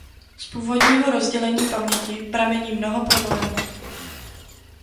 Z původního rozdělení paměti pramení mnoho problémů.